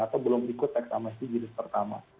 atau belum ikut tax amnesty juris pertama